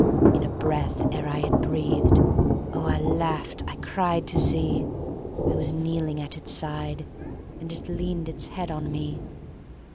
In a breath, ere I had breathed, Oh, I laughed, I cried, to see! I was kneeling at its side, And it leaned its head on me!